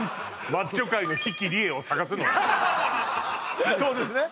マッチョ界の比企理恵を探すのね